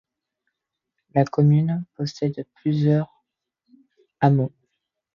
La commune possède plusieurs hameaux.